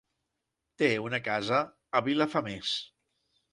Té una casa a Vilafamés.